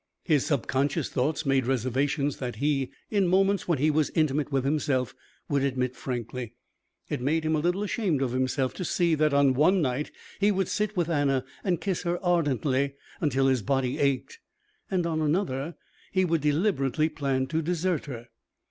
His subconscious thoughts made reservations that he, in moments when he was intimate with himself, would admit frankly. It made him a little ashamed of himself to see that on one night he would sit with Anna and kiss her ardently until his body ached, and on another he would deliberately plan to desert her.